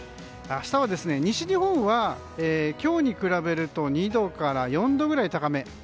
明日は西日本は今日に比べると２度から４度くらい高め。